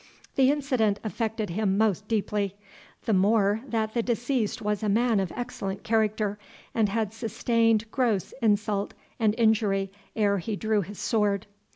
The incident affected him most deeply, the more that the deceased was a man of excellent character, and had sustained gross insult and injury ere he drew his sword.